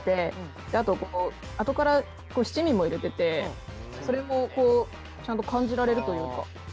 あとこのあとから七味も入れててそれもこうちゃんと感じられるというか。